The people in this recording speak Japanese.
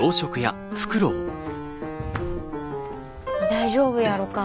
大丈夫やろか？